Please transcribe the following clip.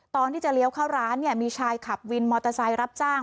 ตอนที่จะเลี้ยวเข้าร้านเนี่ยมีชายขับวินมอเตอร์ไซค์รับจ้าง